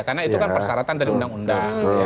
karena itu kan persyaratan dari undang undang